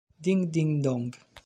Ding ding dong!